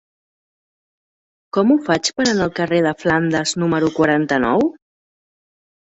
Com ho faig per anar al carrer de Flandes número quaranta-nou?